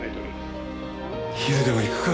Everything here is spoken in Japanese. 昼でも行くか。